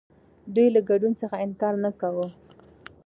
دوی له ګډون څخه انکار نه کاوه.